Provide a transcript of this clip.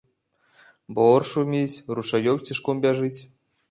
Бор шуміць, ручаёк цішком бяжыць.